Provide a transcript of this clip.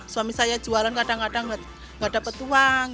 suami saya jualan kadang kadang nggak dapat uang